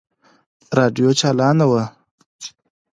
راډيو چالانه وه.